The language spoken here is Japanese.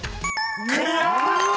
［クリア！］